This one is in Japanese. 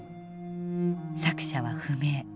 作者は不明。